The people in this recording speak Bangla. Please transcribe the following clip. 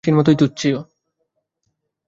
এ তো নাস্যির মতোই তুচ্ছ।